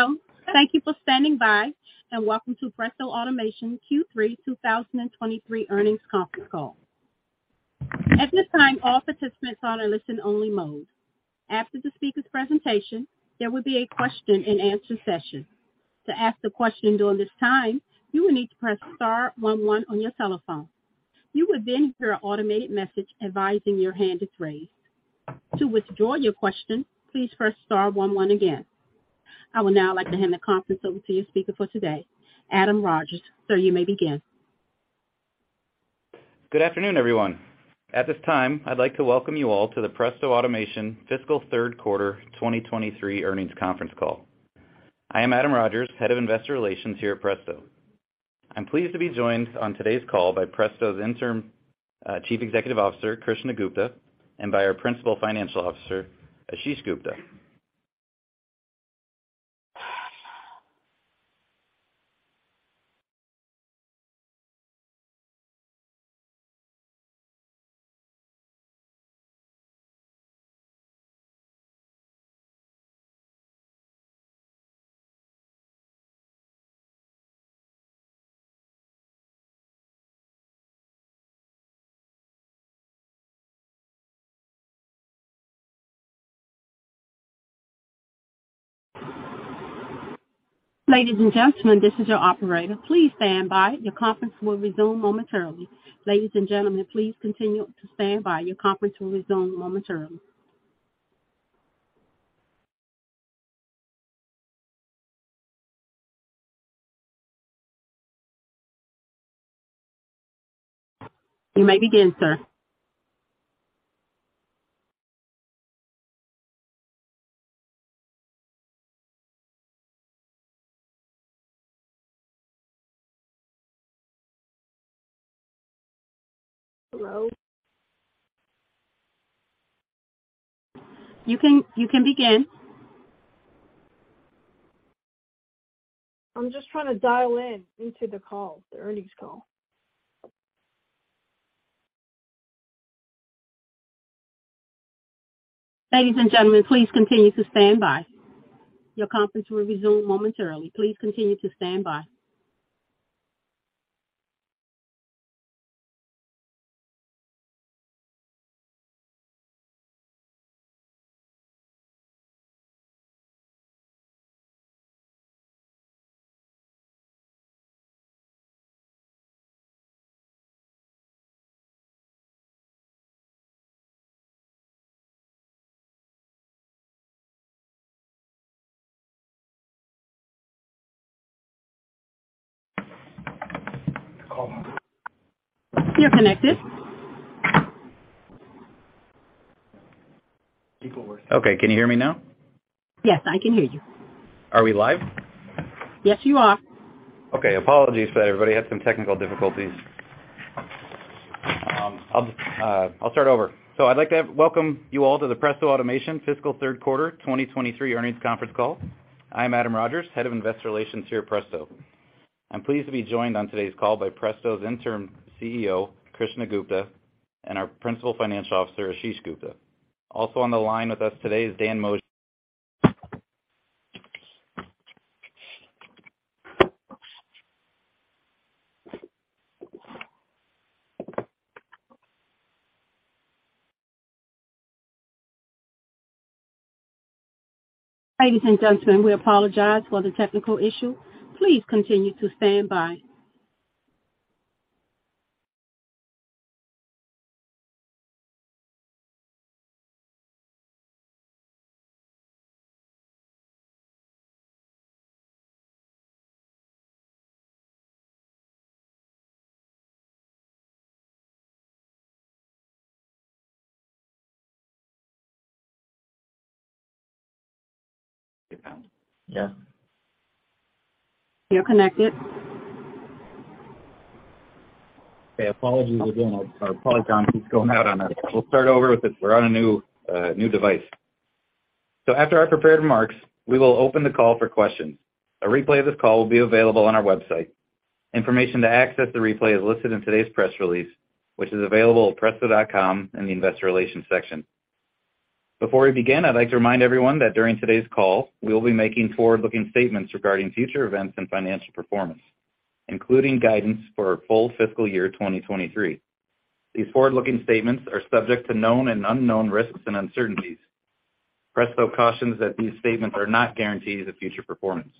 Hello. Thank you for standing by, and welcome to Presto Automation Q3 2023 Earnings Conference Call. At this time, all participants are in a listen only mode. After the speakers' presentation, there will be a question and answer session. I would now like to hand the conference over to your speaker for today, Adam Rogers. Sir, you may begin. Good afternoon, everyone. At this time, I'd like to welcome you all to the Presto Automation fiscal Q3 2023 earnings conference call. I am Adam Rogers, Head of Investor Relations here at Presto. I'm pleased to be joined on today's call by Presto's Interim Chief Executive Officer, Krishnan Gupta and by our Principal Financial Officer, Ashish Gupta. You may begin, sir. Hello. You can begin. I'm just trying to dial in into the call, the earnings call. Ladies and gentlemen, please continue to stand by. Your conference will resume momentarily. Please continue to stand by. Okay. Can you hear me now? Yes, I can hear you. Are we live? Yes, you are. Okay. Apologies for everybody. I had some technical difficulties. I'll start over. So I'd like to welcome you all to the Presto Automation fiscal 3rd 2023 earnings conference call. I'm Adam Rogers, Head of Investor Relations here at Presto. I'm pleased to be joined on today's call by Presto's Interim CEO, Krishna Gupta and our Principal Financial Officer, Ashish Gupta. Also on the line with us today is Dan Moshe. Ladies and gentlemen, we apologize for the technical issue. Please continue to stand by. So after our prepared remarks, we will open the call for questions. A replay of this call will be available on our website. Information to access the replay is listed in today's press release, which is available at presta.com in the Investor Relations section. Before we begin, I'd like to remind everyone that during today's call, We will be making forward looking statements regarding future events and financial performance, including guidance for our full fiscal year 2023. These forward looking statements are subject to known and unknown risks and uncertainties. Presto cautions that these statements are not guarantees of future performance.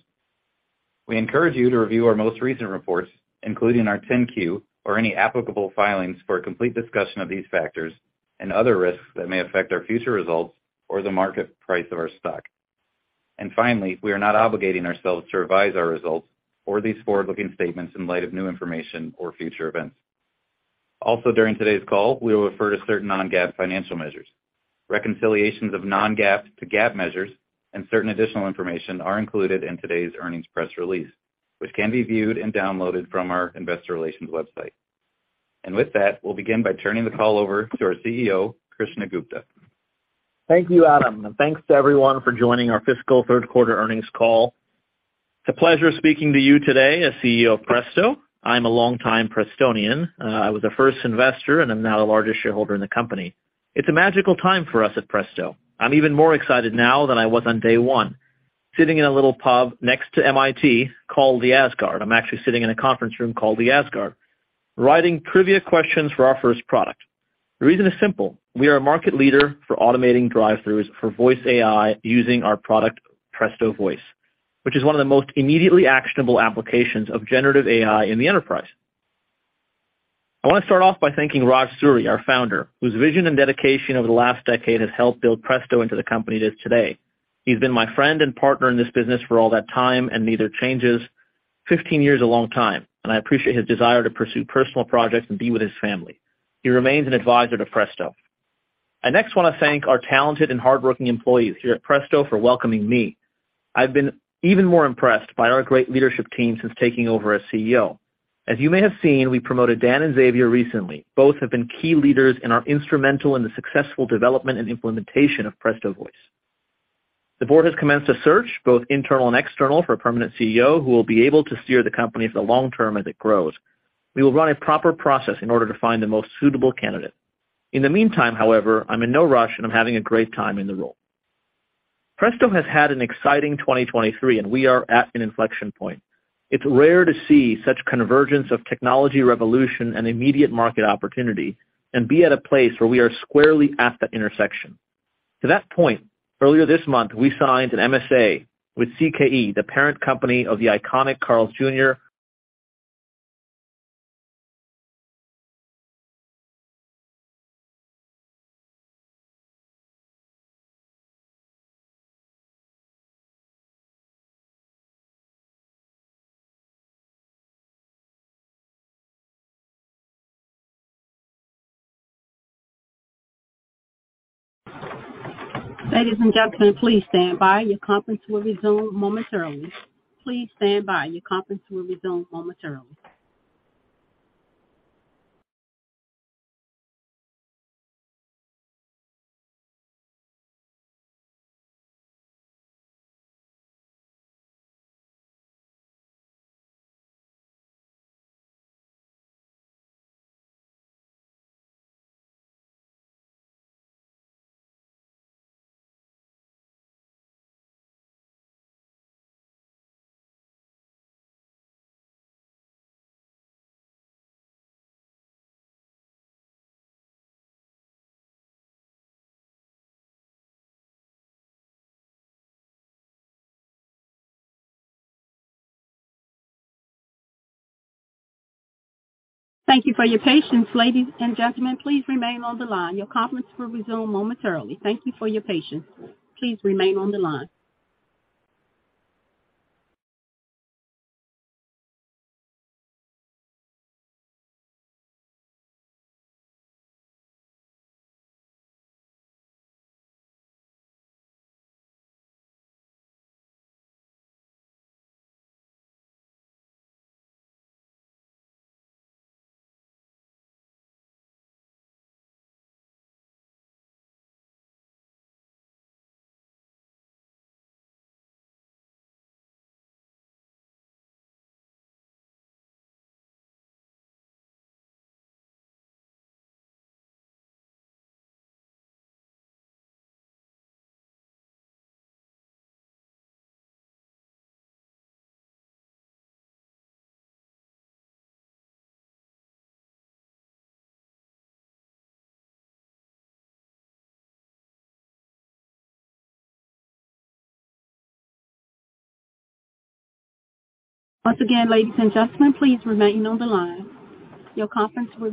We encourage you to review our most recent reports, including our 10 Q or any applicable filings for a complete discussion of these factors and other risks that may affect our future results or the market price of our stock. And finally, we are not obligating ourselves to revise our results or these forward looking statements in light of new information or future events. Also during today's call, we will refer to certain non GAAP financial measures. Reconciliations of non GAAP to GAAP measures and certain additional information are included in today's earnings press release, which can be viewed and downloaded from our Investor Relations Web And with that, we'll begin by turning the call over to our CEO, Krishna Gupta. Thank you, Adam, and thanks to everyone for joining our fiscal 3rd Quarter earnings call. It's a pleasure speaking to you today as CEO of Presto. I'm a long time Prestonian. I was the 1st investor and I'm now the largest shareholder in the company. It's a magical time for us at Presto. I'm even more excited now than I was on day 1, sitting in a little pub next to MIT Call the Asgard. I'm actually sitting in a conference room call the Asgard, writing trivia questions for our first product. The reason is simple. We are a market leader for automating drive thrus for voice AI using our product Presto Voice, which is one of the most immediately applications of generative AI in the enterprise. I want to start off by thanking Raj Suri, our Founder, whose vision and dedication over the last decade has Help build Presto into the company it is today. He's been my friend and partner in this business for all that time and neither changes. 15 years is a long time, I appreciate his desire to pursue personal projects and be with his family. He remains an advisor to Presto. I next want to thank our talented and hardworking employees Thank you, presto for welcoming me. I've been even more impressed by our great leadership team since taking over as CEO. As you may have seen, we promoted Dan and Xavier recently. Both have been key leaders and are instrumental in the successful development and implementation of Presto Voice. The Board has commenced a search both internal and for permanent CEO who will be able to steer the company for the long term as it grows. We will run a proper process in order to find the most suitable candidate. In the meantime, however, I'm in no rush and I'm having a great time in the role. Presto has had an exciting 2023 and we are at an inflection point. It's rare to see such convergence of technology revolution and immediate market opportunity and be at a place where we are squarely at the intersection. To that point, earlier this month, we signed an MSA with CKE, the parent company of the iconic Carl's Jr. Thank you for your patience. Ladies and gentlemen, please remain on the line. Your conference Your conference will resume momentarily. Please remain on the line. Once again, ladies and gentlemen, please remain on the line. Your conference will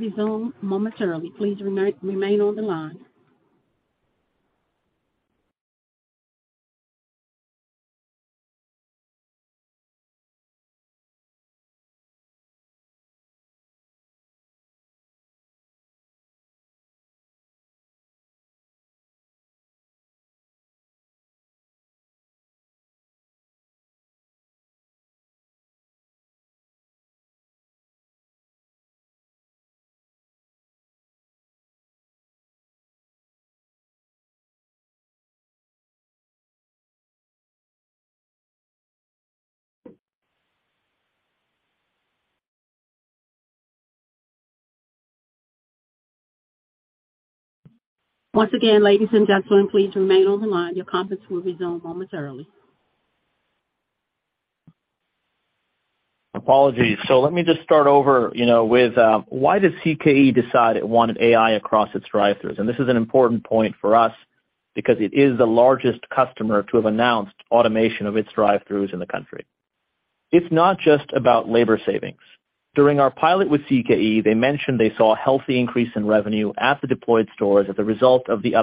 resume momentarily. Apologies. So let me just start over with why did CKE decided it wanted AI across its drive And this is an important point for us because it is the largest customer to have announced automation of its drive thrus in the country. It's not just about labor savings. During our pilot with CKE, they mentioned they saw a healthy increase in revenue at the deployed stores as a result of the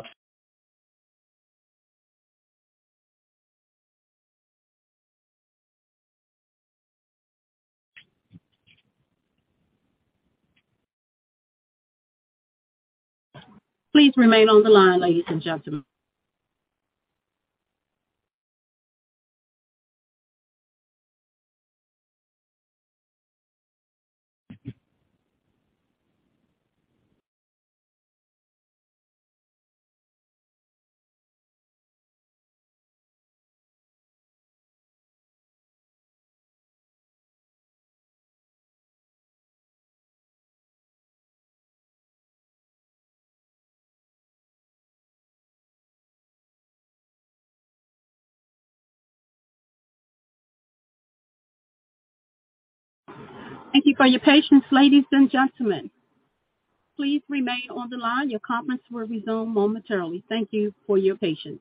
Please remain on the line, ladies and gentlemen. Thank you for your patience, ladies and gentlemen. Please remain on the line. Your conference will resume momentarily. Thank you for your patience.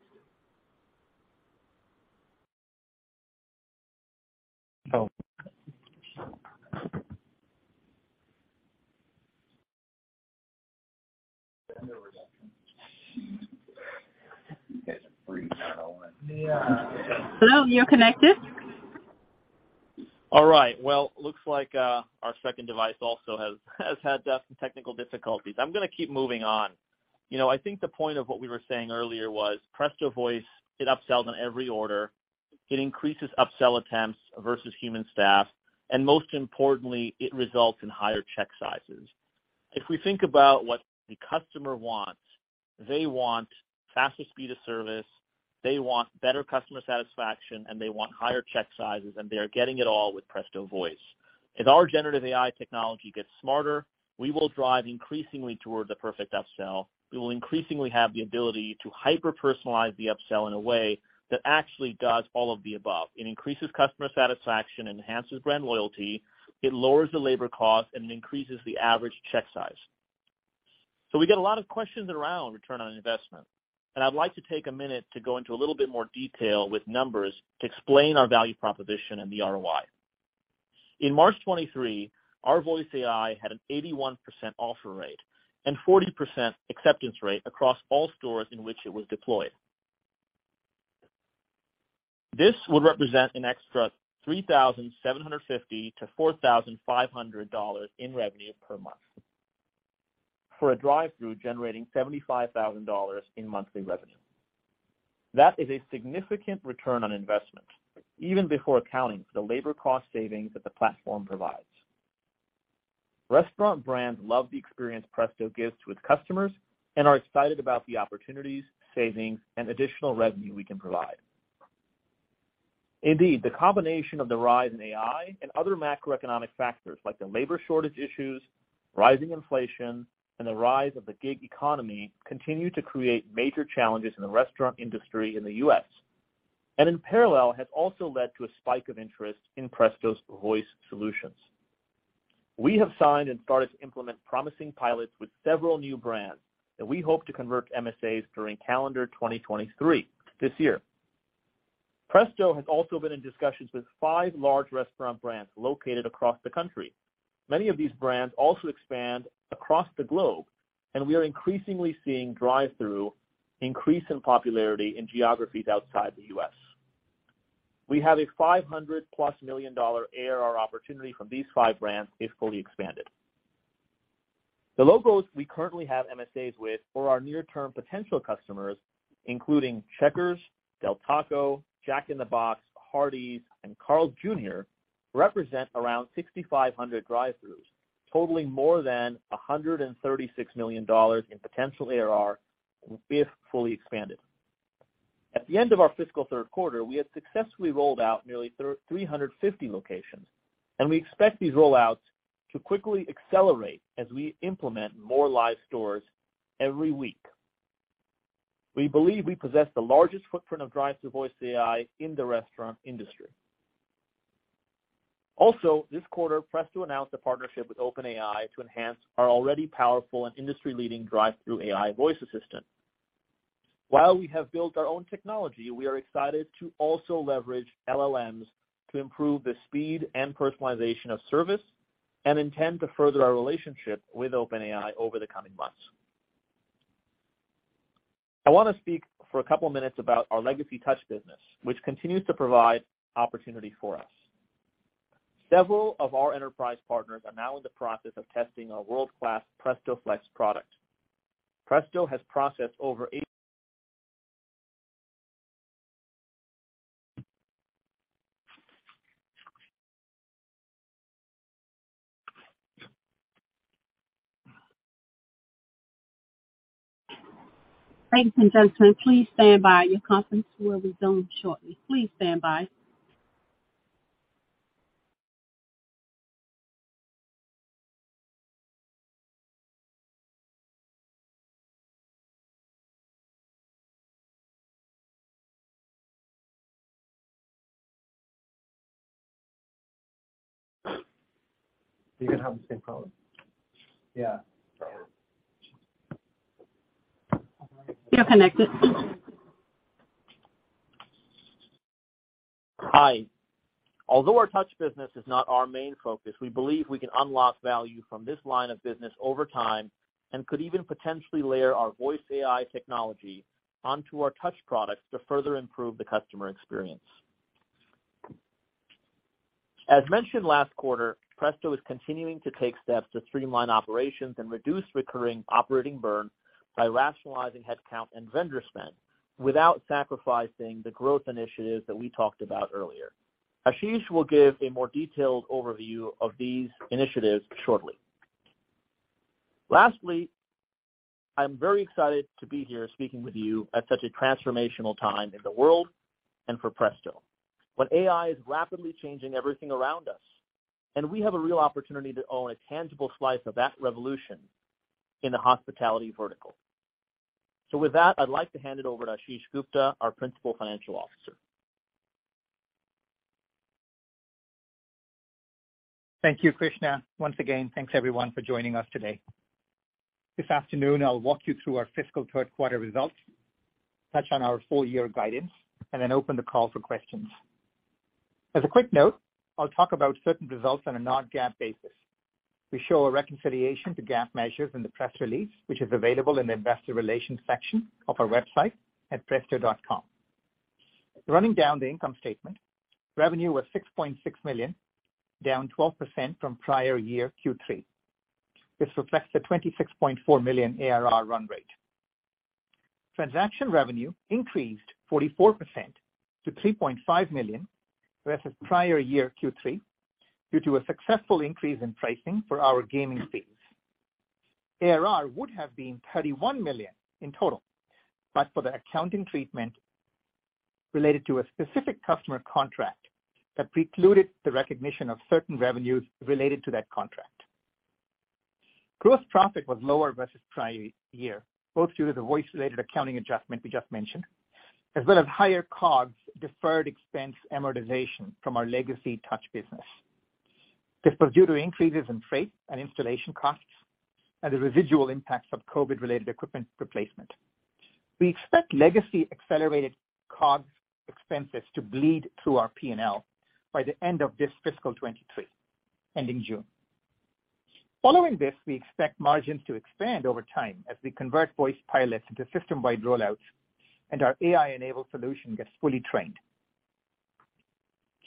All right. Well, looks like our second device also has had technical difficulties. I'm going to keep moving on. I think the point of what we were saying earlier was, presto voice, it upsells on every order, it increases upsell attempts versus human staff, And most importantly, it results in higher check sizes. If we think about what the customer wants, they want Faster speed of service, they want better customer satisfaction and they want higher check sizes and they are getting it all with Presto Voice. As our generative AI technology gets smarter, we will drive increasingly towards the perfect upsell. We will increasingly have the ability to hyper personalize the upsell in a way That actually does all of the above. It increases customer satisfaction, enhances brand loyalty, it lowers the labor cost and it increases the average check size. So we got a lot of questions around return on investment, and I'd like to take a minute to go into a little bit more detail with numbers to explain our value proposition and the ROI. In March 23, our voice AI had an 81% offer rate and 40% acceptance rate across all stores in which it was deployed. This would represent an extra $3,750 to $4,500 in revenue per month. For a drive thru generating $75,000 in monthly revenue. That is a significant return on investment even before accounting for the labor cost savings that the platform provides. Restaurant brands love the experience Presto gives to its customers and are excited about the opportunities, savings and additional revenue we can provide. Indeed, the combination of the rise in AI Industry in the U. S. And in parallel has also led to a spike of interest in Presto's voice solutions. We have signed and started to implement promising pilots with several new brands that we hope to convert MSAs during calendar 2023 this year. Presto has also been in discussions with 5 large restaurant brands located across the country. Many of these brands also expand across the globe And we are increasingly seeing drive thru increase in popularity in geographies outside the U. S. We have a 500 plus The logos we currently have MSAs with for our near term potential customers, including Checkers, Del Taco, Jack in the Box, Hardee's and Carl Jr. Represent around 6,500 drive thrus, totaling more than $136,000,000 in potential ARR if fully expanded. At the end of our fiscal Q3, we had successfully rolled out nearly 3 50 locations and we expect these rollouts to quickly accelerate as we implement more live stores every week. We believe we possess the largest footprint of drive thru voice AI in the restaurant industry. Also this quarter, Presto announced a partnership with OpenAI to enhance Our already powerful and industry leading drive through AI voice assistant. While we have built our own technology, we are excited to also leverage LLMs To improve the speed and personalization of service and intend to further our relationship with OpenAI over the coming months. I want to speak for a couple of minutes about our legacy touch business, which continues to provide opportunity for us. Several of our enterprise partners are now in the process of testing our world class Presto Flex product. Presto has processed over You're connected. Hi. Although our touch business is not our main focus, we believe we can unlock value from this line of business over time and could even potentially layer our voice AI technology On to our touch products to further improve the customer experience. As mentioned last quarter, Presto is continuing to take steps to streamline operations and reduce recurring operating burn by rationalizing headcount and vendor spend without sacrificing the growth initiatives that we talked about earlier. Ashish will give a more detailed overview of these initiatives shortly. Lastly, I'm very excited to be here speaking with you at such a transformational time in the world and for Presto. But AI is rapidly changing everything around us and we have a real opportunity to own a tangible slice of that revolution in the hospitality vertical. So with that, I'd like to hand it over to Ashish Gupta, our Principal Financial Officer. Thank you, Krishna. Once again, thanks everyone for joining us today. This afternoon, I'll walk you through our fiscal 3rd quarter results, touch on our full year guidance and then open the call for questions. As a quick note, I'll talk about certain results on a non GAAP basis. We show a reconciliation to GAAP measures in the press release, which is available in the Investor Relations section of our website at presto.com. Running down the income statement, revenue was $6,600,000 down 12% from prior year Q3. This reflects the $26,400,000 ARR run rate. Transaction revenue increased 44% to $3,500,000 versus prior year Q3 due to a successful increase in pricing for our gaming fees. ARR would have been $31,000,000 in total, but for the accounting treatment related to a specific customer contract that precluded the recognition of certain revenues related to that contract. Gross profit was lower versus prior year, both due to the voice related accounting adjustment we just mentioned, as well as higher COGS deferred expense amortization from our legacy touch business. This was due to increases in freight and installation costs and the residual impacts of COVID related equipment replacement. We expect legacy accelerated COGS expenses to bleed through our P and L by the end of this fiscal 2023 ending June. Following this, we expect margins to expand over time as we convert voice pilots into system wide rollouts and our AI enabled solution gets fully trained.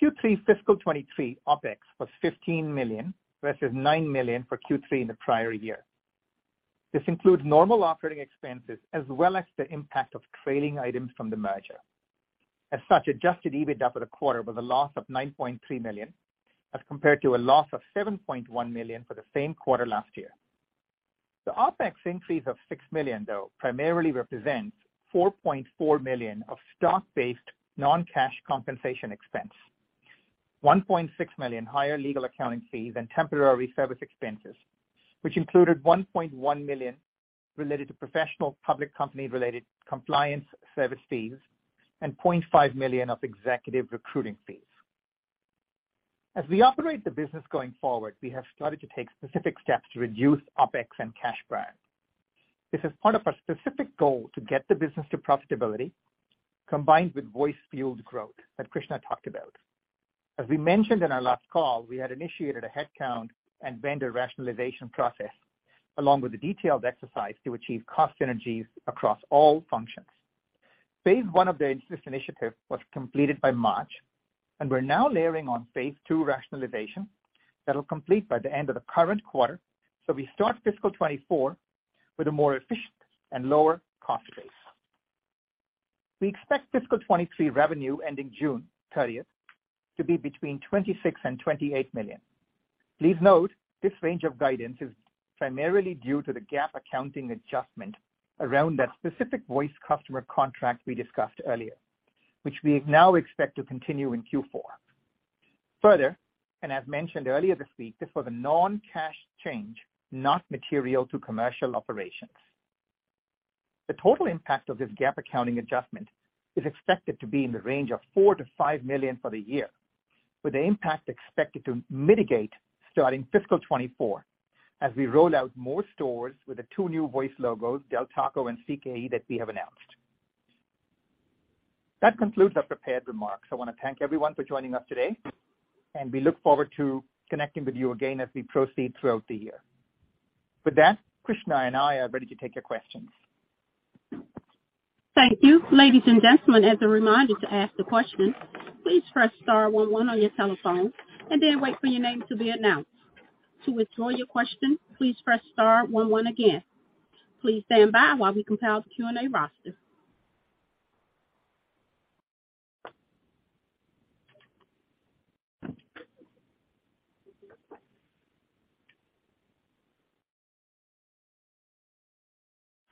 Q3 fiscal 2023 OpEx was $15,000,000 versus $9,000,000 for Q3 in the prior year. This includes normal operating expenses as well as the impact of trailing items from the merger. As such, adjusted EBITDA for the quarter was a loss of 9,300,000 as compared to a loss of $7,100,000 for the same quarter last year. The OpEx increase of $6,000,000 though primarily represents $4,400,000 of stock based non cash compensation expense, dollars 1,600,000 higher legal accounting fees and temporary service expenses, which included $1,100,000 related to professional public company related compliance service fees and $500,000 of executive recruiting fees. As we operate the business going forward, we have started to take specific steps to reduce OpEx and cash burn. This is part of our specific goal to get the business to profitability combined with voice fueled growth that Krishna talked about. As we mentioned in our last call, we had initiated a headcount and vendor rationalization process along with a detailed exercise to achieve cost synergies across all functions. Phase 1 of the interest initiative was completed by March and we're now layering on Phase 2 rationalization that will complete by the end of the current quarter, so we start fiscal 2024 with a more efficient and lower cost base. We expect fiscal 2023 revenue ending June 30 to be between $26,000,000 $28,000,000 Please note, this range of guidance is Primarily due to the GAAP accounting adjustment around that specific voice customer contract we discussed earlier, which we now expect to continue in Q4. Further, and as mentioned earlier this week, this was a non cash change not material to commercial operations. The total impact of this GAAP accounting adjustment is expected to be in the range of $4,000,000 to $5,000,000 for the year, with the impact expected to mitigate Starting fiscal 2024 as we roll out more stores with the 2 new voice logos Del Taco and CKE that we have announced. That concludes our prepared remarks. I want to thank everyone for joining us today and we look forward to connecting with you again as we proceed throughout the year. With that, Krishna and I are ready to take your questions. Thank Please stand by while we compile the Q and A roster.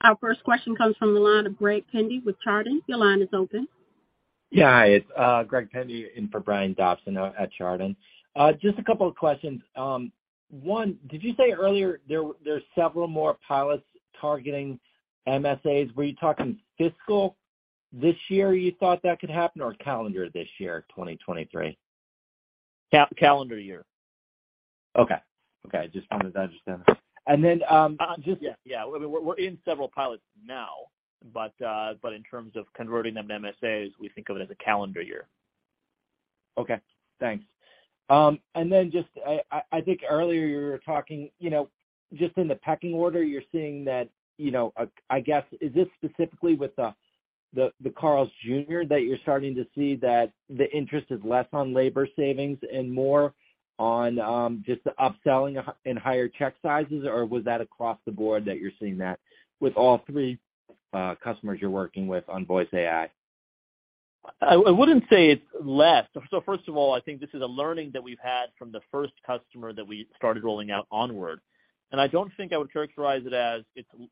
Our first question comes from the line of Greg Pendy with Chardan. Your line is open. Yes. Hi. It's Greg Pendy in for Brian Dobson at Chardan. Just a couple of questions. One, did you say earlier there are several more pilots targeting MSAs? Were you talking fiscal This year you thought that could happen or calendar this year 2023? Calendar year. Okay. Okay. I just found that I understand. And then, yes, we're in several pilots now, but in terms of Converting them to MSAs, we think of it as a calendar year. Okay. Thanks. And then just I think earlier you were talking Just in the pecking order, you're seeing that, I guess, is this specifically with the Carl's Jr. That you're starting to see that The interest is less on labor savings and more on, just the upselling and higher check sizes or was that across the board that you're seeing that With all three customers you're working with on voice AI? I wouldn't say it's less. So 1st of all, I think this is a learning that we've had from the 1st customer that we started rolling out onward. And I don't think I would characterize it as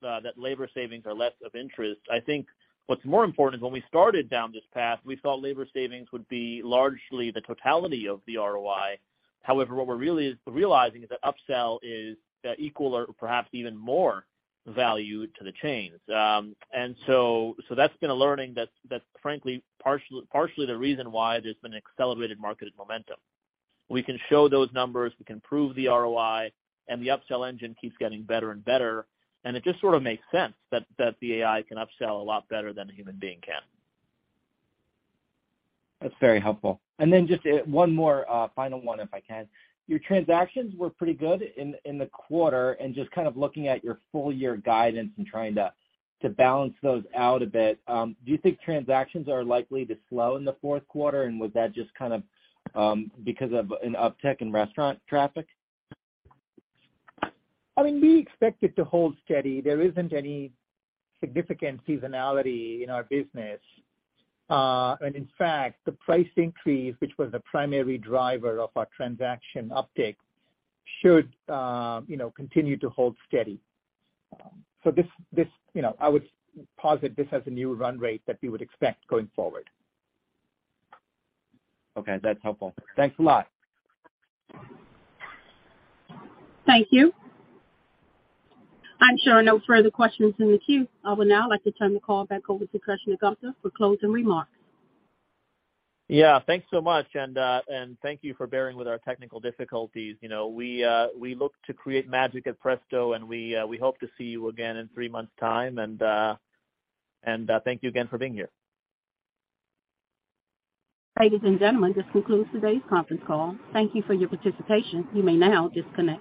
That labor savings are less of interest. I think what's more important is when we started down this path, we saw labor savings would be largely the totality of the ROI. However, what we're really realizing is that upsell is equal or perhaps even more value to the chains. And so that's been a learning that's Partially the reason why there's been accelerated market momentum. We can show those numbers, we can prove the ROI And the upsell engine keeps getting better and better. And it just sort of makes sense that the AI can upsell a lot better than a human being can. That's very helpful. And then just one more final one if I can. Your transactions were pretty good in the quarter and just kind of looking at your full year guidance and trying To balance those out a bit, do you think transactions are likely to slow in the Q4 and was that just kind of because of an uptick in restaurant traffic? I mean, we expect it to hold steady. There isn't any significant seasonality in our business. And in fact, the price increase, which was the primary driver of our transaction uptick, should continue to hold steady. So this I would posit this as a new run rate that we would expect going forward. Okay. That's helpful. Thanks a lot. Thank you. I'm showing no further questions in the queue. I would now like to turn the call back over to Krishnagamta for closing remarks. Yes. Thanks so much, and thank you for bearing with our We look to create magic at Presto and we hope to see you again in 3 months' time. And thank you again for being here. Ladies and gentlemen, this concludes today's conference call. Thank you for your participation. You may now disconnect.